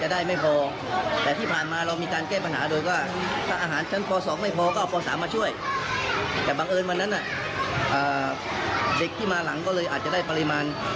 เด็กที่มาหลังก็เลยอาจจะได้ปริมาณ